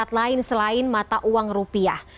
atau alat lain selain mata uang rupiah